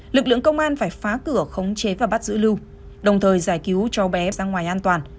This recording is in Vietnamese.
lực lượng công an phải phá cửa khống chế và bắt giữ lưu đồng thời giải cứu cháu bé ra ngoài an toàn